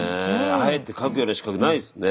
あえて書くような資格ないですね。